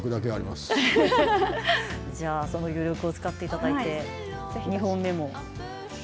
ではその余力を使っていただいて２本目も。